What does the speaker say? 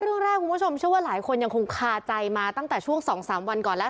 เรื่องแรกคุณผู้ชมเชื่อว่าหลายคนยังคงคาใจมาตั้งแต่ช่วง๒๓วันก่อนแล้ว